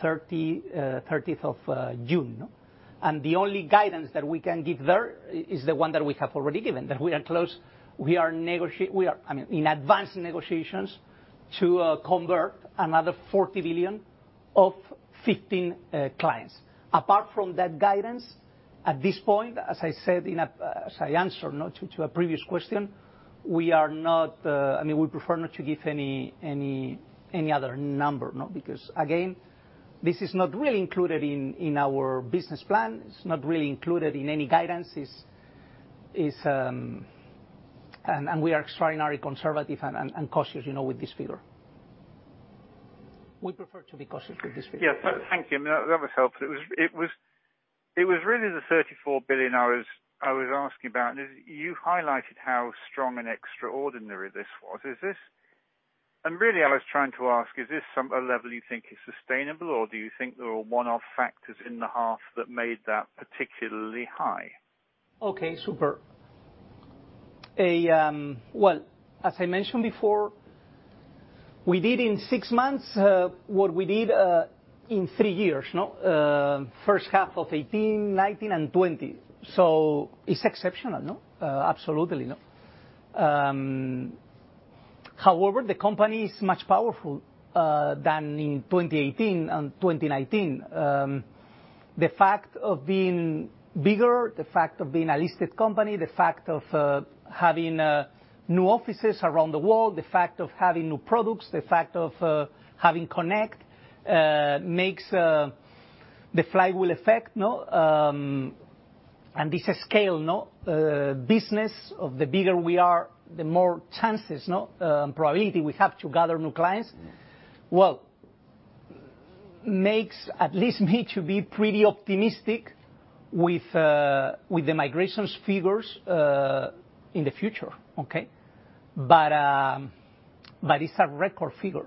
S2: 30th of June. The only guidance that we can give there is the one that we have already given, that we are in advanced negotiations to convert another 40 billion of 15 clients. Apart from that guidance, at this point, as I answered to a previous question, we prefer not to give any other number, because, again, this is not really included in our business plan. It's not really included in any guidance, and we are extraordinarily conservative and cautious with this figure. We prefer to be cautious with this figure.
S9: Yeah. Thank you. That was helpful. It was really the 34 billion I was asking about, and you highlighted how strong and extraordinary this was. Really, I was trying to ask, is this a level you think is sustainable, or do you think there are one-off factors in the half that made that particularly high?
S2: Okay, super. Well, as I mentioned before, we did in six months what we did in three years. First half of 2018, 2019, and 2020. It is exceptional. Absolutely. However, the company is much powerful than in 2018 and 2019. The fact of being bigger, the fact of being a listed company, the fact of having new offices around the world, the fact of having new products, the fact of having Connect, makes the flywheel effect. This scale business of the bigger we are, the more chances and probability we have to gather new clients.
S3: Yeah.
S2: Well, makes at least me to be pretty optimistic with the migrations figures in the future. Okay? It's a record figure.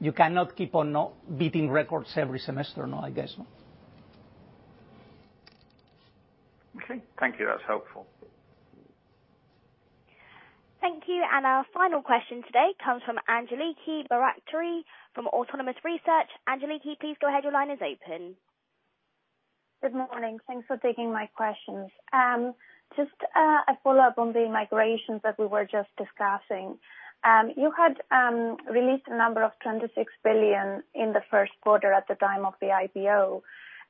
S2: You cannot keep on beating records every semester, I guess.
S9: Okay. Thank you. That's helpful.
S4: Thank you. Our final question today comes from Angeliki Bairaktari from Autonomous Research. Angeliki, please go ahead. Your line is open.
S10: Good morning. Thanks for taking my questions. Just a follow-up on the migrations that we were just discussing. You had released a number of 26 billion in first quarter at the time of the IPO.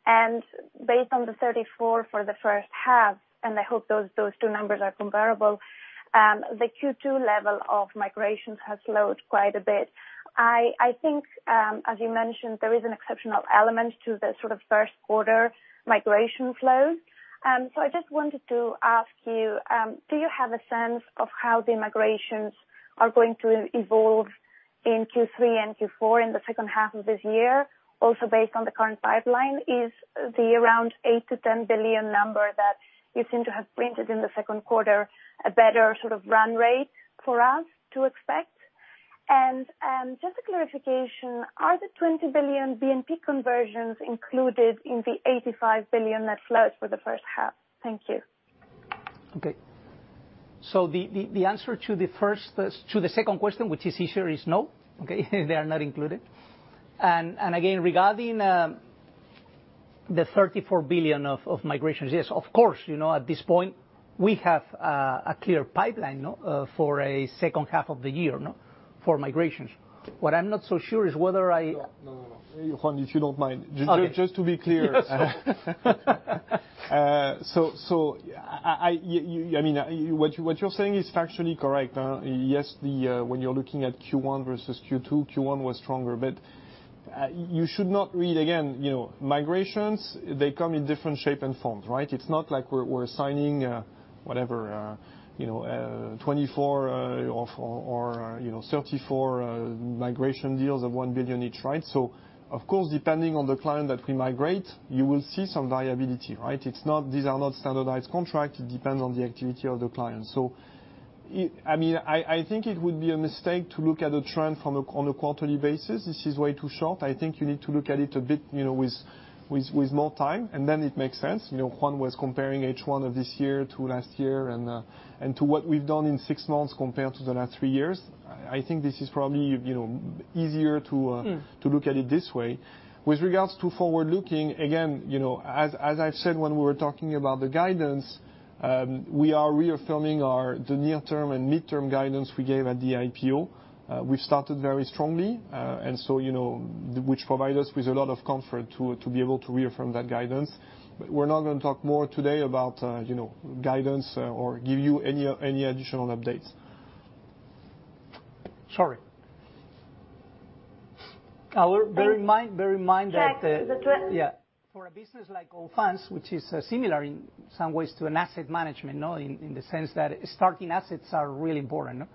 S10: Based on the 34 billion for the first half, and I hope those two numbers are comparable, the Q2 level of migrations has slowed quite a bit. I think, as you mentioned, there is an exceptional element to the first quarter migration flows. I just wanted to ask you, do you have a sense of how the migrations are going to evolve in Q3 and Q4 in H2 of this year, also based on the current pipeline, is the around 8 billion-10 billion number that you seem to have printed in the second quarter, a better sort of run rate for us to expect? Just a clarification, are the 20 billion BNP conversions included in the 85 billion net flows for the first half? Thank you.
S2: Okay. The answer to the second question, which is easier, is no, okay? They are not included. Regarding the 34 billion of migrations, yes, of course, at this point, we have a clear pipeline for a second half of the year for migrations.
S3: No, no. Juan, if you don't mind, just to be clear. What you're saying is factually correct. Yes, when you're looking at Q1 versus Q2, Q1 was stronger. You should not read, again, migrations, they come in different shape and forms, right? It's not like we're signing, whatever, 24 billion or 34 billion migration deals of 1 billion each, right? Of course, depending on the client that we migrate, you will see some variability, right? These are not standardized contracts. It depends on the activity of the client. I think it would be a mistake to look at the trend on a quarterly basis. This is way too short. I think you need to look at it a bit with more time, and then it makes sense. Juan was comparing H1 of this year to last year, and to what we've done in six months compared to the last three years. I think this is probably easier. to look at it this way. With regards to forward-looking, again, as I've said when we were talking about the guidance, we are reaffirming the near-term and mid-term guidance we gave at the IPO. We've started very strongly, and so, which provide us with a lot of comfort to be able to reaffirm that guidance. We're not going to talk more today about guidance or give you any additional updates.
S2: Sorry. Bear in mind.
S10: is it to end?
S2: Yeah. For a business like Allfunds, which is similar in some ways to an asset management, in the sense that starting assets are really important.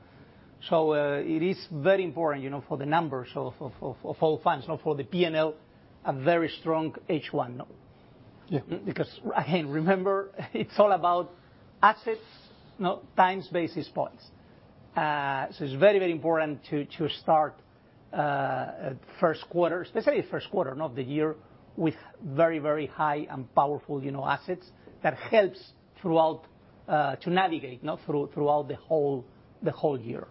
S2: So, it is very important, for the numbers of Allfunds, for the P&L, a very strong H1.
S3: Yeah.
S2: Again, remember, it's all about assets, times basis points. It's very important to start first quarter, specifically first quarter of the year, with very high and powerful assets that helps to navigate throughout the whole year.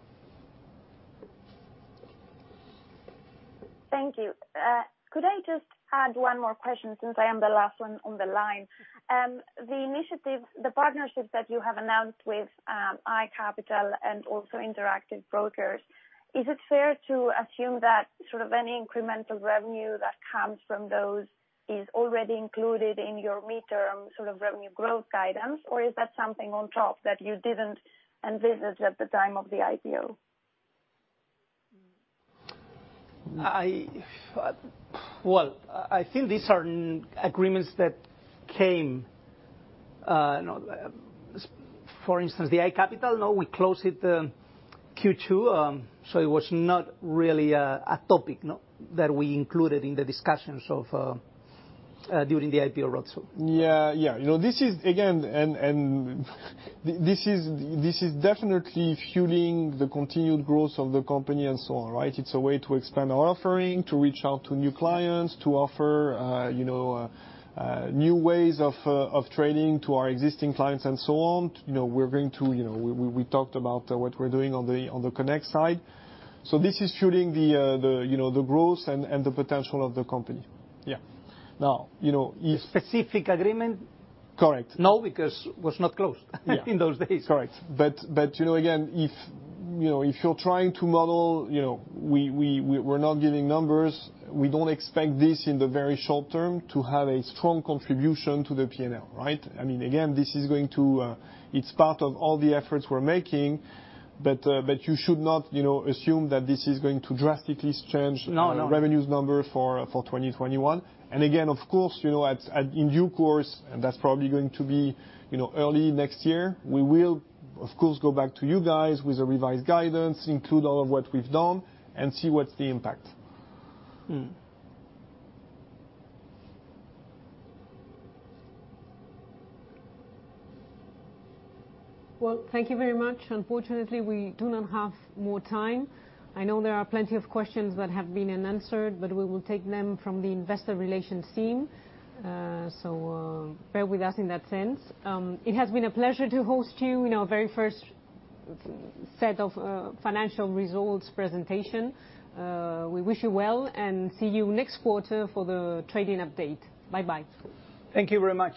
S10: Thank you. Could I just add one more question since I am the last one on the line? The partnership that you have announced with iCapital and also Interactive Brokers, is it fair to assume that any incremental revenue that comes from those is already included in your mid-term sort of revenue growth guidance? Or is that something on top that you didn't envisage at the time of the IPO?
S2: Well, I think these are agreements that came. For instance, the iCapital, we closed it Q2, so it was not really a topic that we included in the discussions during the IPO roadshow.
S3: Yeah. This is definitely fueling the continued growth of the company and so on, right? It's a way to expand our offering, to reach out to new clients, to offer new ways of trading to our existing clients and so on. We talked about what we're doing on the Connect side. This is fueling the growth and the potential of the company.
S2: Yeah.
S3: Now.
S2: Specific agreement.
S3: Correct.
S2: No, because was not closed in those days.
S3: Correct. Again, if you're trying to model, we're not giving numbers. We don't expect this in the very short term to have a strong contribution to the P&L, right? Again, it's part of all the efforts we're making, but you should not assume that this is going to drastically change-
S2: No, no.
S3: ...revenues number for 2021. Of course, in due course, and that's probably going to be early next year, we will, of course, go back to you guys with a revised guidance, include all of what we've done, and see what's the impact.
S1: Well, thank you very much. Unfortunately, we do not have more time. I know there are plenty of questions that have been unanswered. We will take them from the Investor Relations team. Bear with us in that sense. It has been a pleasure to host you in our very first set of financial results presentation. We wish you well, and see you next quarter for the trading update. Bye-bye.
S2: Thank you very much.